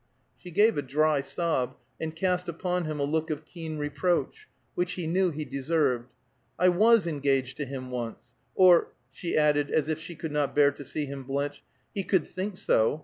She gave a dry sob, and cast upon him a look of keen reproach, which he knew he deserved. "I was engaged to him once. Or," she added, as if she could not bear to see him blench, "he could think so.